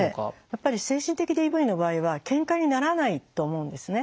やっぱり精神的ＤＶの場合はケンカにならないと思うんですね。